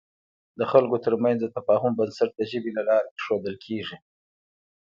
د خلکو تر منځ د تفاهم بنسټ د ژبې له لارې اېښودل کېږي.